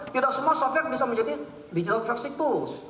tidak semua software bisa menjadi digital versi tools